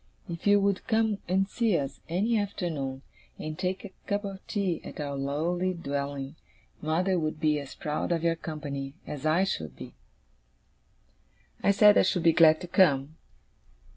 If you would come and see us, any afternoon, and take a cup of tea at our lowly dwelling, mother would be as proud of your company as I should be.' I said I should be glad to come.